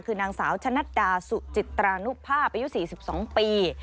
คือนางสาวชนะดาสุจิตรานุภาพอายุสี่สิบสองปี